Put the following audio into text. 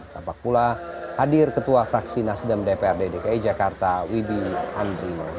tepak pula hadir ketua fraksi nasdem dpr dki jakarta wibi andrimo